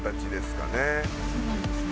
そうなんですね。